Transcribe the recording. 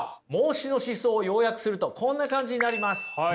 孟子の思想を要約するとこんな感じになります。